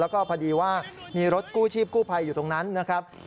ก็พอดีว่ามีรถโก้ชีพโก้ไภอยู่ตรงนั้นนะครับ